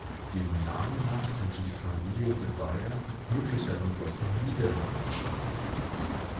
Dem Namen nach könnte die Familie de Beyer möglicherweise aus den Niederlanden stammen.